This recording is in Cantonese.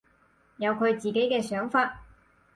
有佢自己嘅想法